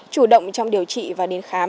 chủ động trong điều trị và đến khám